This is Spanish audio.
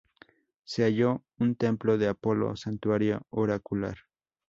Se halló un templo de Apolo, santuario oracular.